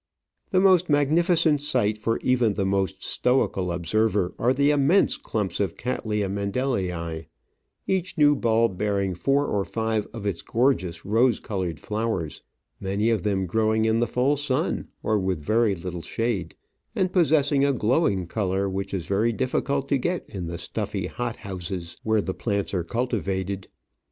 The most magnificent sight for even the most stoical observer are the immense clumps oiCattleya Mendeliiy each new bulb bearing four or five of its gorgeous rose coloured flowers, many of them growing in the full sun or with very little shade, and possessing * a glowing colour which is very difficult to get in the stuffy hot houses where the plants are cultivated.